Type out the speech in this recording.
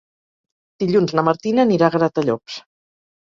Dilluns na Martina anirà a Gratallops.